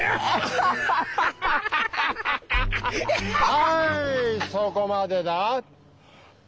はいそこまでだ！